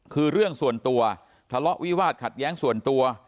คือเรื่องส่วนตัวทะเลาะวิวาสขัดแย้งส่วนตัว